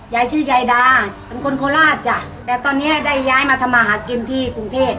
ยายชื่อยายดาเป็นคนโคราชจ้ะแต่ตอนเนี้ยได้ย้ายมาทำมาหากินที่กรุงเทพ